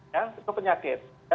ya itu penyakit